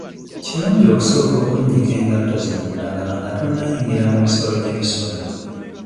Kirungi okusooka okunnyika engatto zo mu ddaggala nga tonnayingira mu bisolo gye bisula.